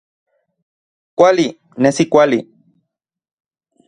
Kuali, nesi kuali